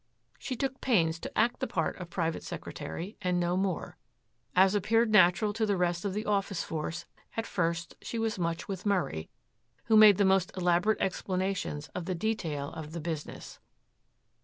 She took pains to act the part of private secretary and no more. As appeared natural to the rest of the office force at first she was much with Murray, who made the most elaborate explanations of the detail of the business.